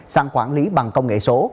sang quản lý bằng công nghệ số